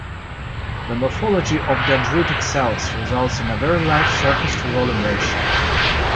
The morphology of dendritic cells results in a very large surface-to-volume ratio.